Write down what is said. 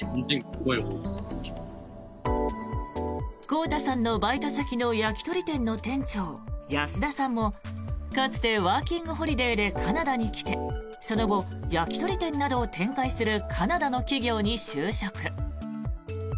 こうたさんのバイト先の焼き鳥店の店長、安田さんもかつてワーキングホリデーでカナダに来てその後、焼き鳥店などを展開するカナダの企業に就職。